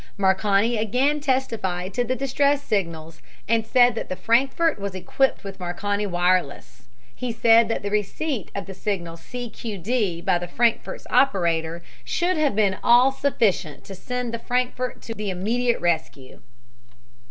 Marconi again testified to the distress signals, and said that the Frankfurt was equipped with Marconi wireless. He said that the receipt of the signal "C. Q. D." by the Frankfurt's operator should have been all sufficient to send the Frankfurt to the immediate rescue.